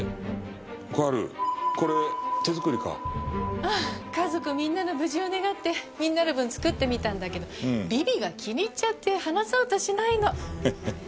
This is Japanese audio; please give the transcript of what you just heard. ああ家族みんなの無事を願ってみんなの分作ってみたんだけどビビが気に入っちゃって離そうとしないの。ハハハ。